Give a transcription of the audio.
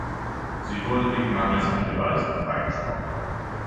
Sie wurde wegen Mangels an Beweisen freigesprochen.